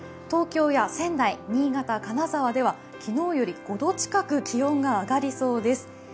東京や仙台、新潟、金沢では、昨日より５度近く気温が上がりそうです。